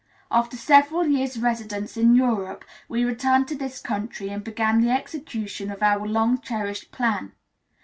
After several years' residence in Europe, we returned to this country and began the execution of our long cherished plan.